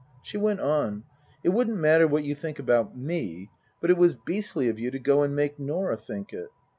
She went on. " It wouldn't matter what you think about me but it was beastly of you to go and make Norah think it."